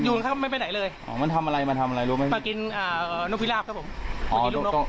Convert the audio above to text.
อยู่นะครับไม่ไปไหนเลยอ๋อมันทำอะไรมันทำอะไรรู้ไหมมากินนกพิราบครับผม